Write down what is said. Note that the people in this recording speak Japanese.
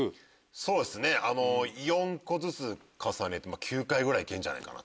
そうっすね４個ずつ重ねて９回ぐらいいけるんじゃないか。